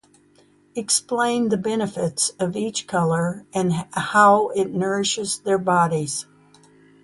Explain the benefits of each color and how it nourishes their bodies.